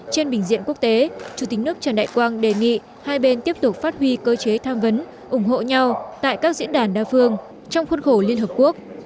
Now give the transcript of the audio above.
trên bình diện quốc tế chủ tịch nước trần đại quang đề nghị hai bên tiếp tục phát huy cơ chế tham vấn ủng hộ nhau tại các diễn đàn đa phương trong khuôn khổ liên hợp quốc